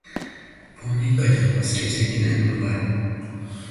忘年会でも忘れちゃいけないものがある